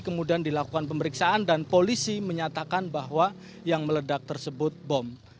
kemudian dilakukan pemeriksaan dan polisi menyatakan bahwa yang meledak tersebut bom